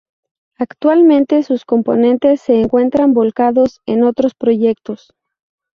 Actualmente, sus componentes se encuentran volcados en otros proyectos.